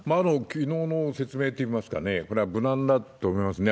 きのうの説明といいますかね、これは無難だと思いますね。